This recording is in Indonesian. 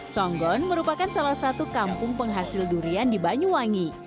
songgon merupakan salah satu kampung penghasil durian di banyuwangi